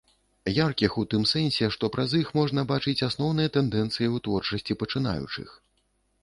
Яркіх у тым сэнсе, што праз іх можна бачыць асноўныя тэндэнцыі ў творчасці пачынаючых.